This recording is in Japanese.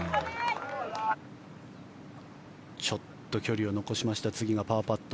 ちょっと距離を残しました次がパーパット。